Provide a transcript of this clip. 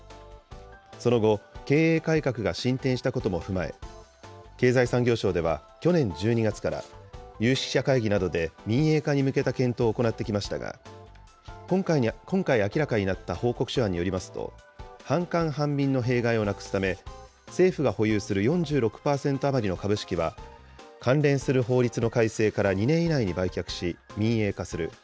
その後、経営改革が進展したことも踏まえ、経済産業省では去年１２月から、有識者会議などで民営化に向けた検討を行ってきましたが、今回明らかになった報告書案によりますと、半官半民の弊害をなくすため、政府が保有する４６％余りの株式は関連する法律の改正から２年以内に売却し、民営化する。